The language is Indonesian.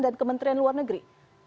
dan kementerian luar negeri